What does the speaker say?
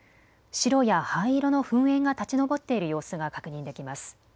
白や灰色の噴煙が立ち上っている様子が確認できます。